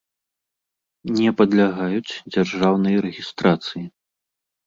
Не падлягаюць дзяржаўнай рэгiстрацыi.